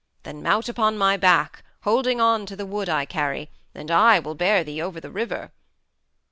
"Then mount upon my back, holding on to the wood I carry, and I will bear thee over the river."